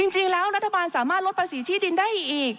จริงแล้วรัฐบาลสามารถลดภาษีที่ดินได้อีก